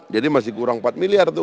jadi masih kurang empat miliar tuh